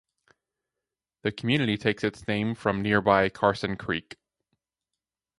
The community takes its name from nearby Carson Creek.